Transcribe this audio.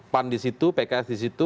pan di situ pks di situ